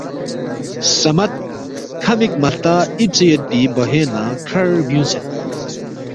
صمد کھا مک مہلتا ایپسے یودپی باہوینگنہ کھڑر بیونگسید۔